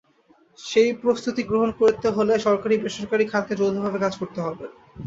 সেই প্রস্তুতি গ্রহণ করতে হলে সরকারি-বেসরকারি খাতকে যৌথভাবে কাজ করতে হবে।